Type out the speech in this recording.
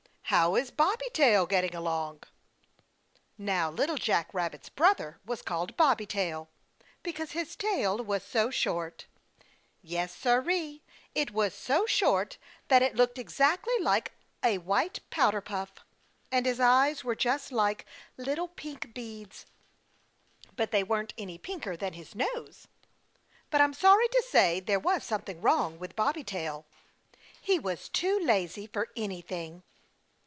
How is Bobby Tail getting along?" Now Little Jack Rabbit's brother was called Bobby Tail, because his tail was so short. Yes, siree, it was so short that it looked exactly like a white powder puff. And his eyes were just like little pink beads. But they weren't any pinker than his nose. But, I'm sorry to say, there was something wrong with Bobby Tail. He was too lazy for anything.